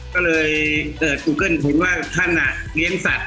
ก็เลยเจอก็นว่าท่านอะเลี้ยงสัตว์